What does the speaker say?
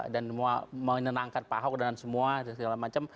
dan menyenangkan pak ahok dan semua segala macam